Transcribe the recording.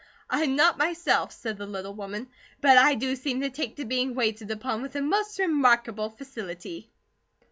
"I'm not myself," said the little woman, "but I do seem to take to being waited upon with the most remarkable facility!"